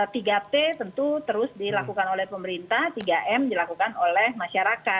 tiga t tentu terus dilakukan oleh pemerintah tiga m dilakukan oleh masyarakat